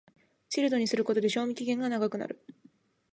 チルドにすることで賞味期限が長くなる